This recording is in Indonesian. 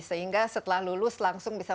sehingga setelah lulus langsung bisa